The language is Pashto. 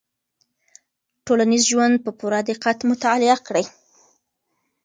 ټولنیز ژوند په پوره دقت مطالعه کړئ.